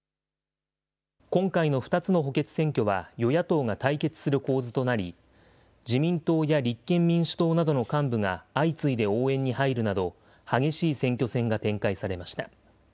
今回の２つの補欠選挙は、与野党が対決する構図となり、自民党や立憲民主党などの幹部が相次いで応援に入るなど、激しい選挙戦が展開されました。